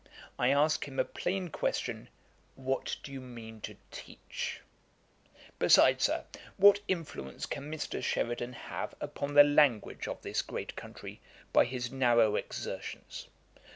I ask him a plain question, 'What do you mean to teach?' Besides, Sir, what influence can Mr. Sheridan have upon the language of this great country, by his narrow exertions?